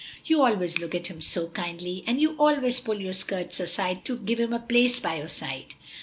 "You always look at him so kindly, and you always pull your skirts aside to give him a place by your side."